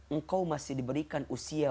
engkau masih diberikan usia